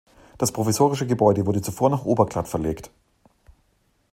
Das provisorische Gebäude wurde zuvor nach Oberglatt verlegt.